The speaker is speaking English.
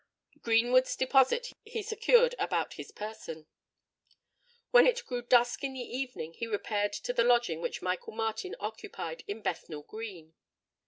Greenwood's deposit he secured about his person. When it grew dusk in the evening, he repaired to the lodging which Michael Martin occupied in Bethnal Green.